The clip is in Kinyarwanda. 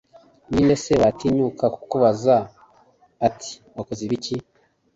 ni nde se watinyuka kukubaza ati wakoze ibiki